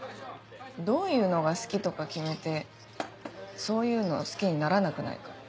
どういうのが好きとか決めてそういうのを好きにならなくないか？